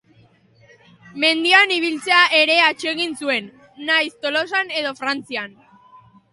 Mendian ibiltzea ere atsegin zuen, nahiz Tolosan edo Frantzian.